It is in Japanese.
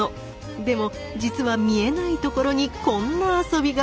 でも実は見えないところにこんな遊びが。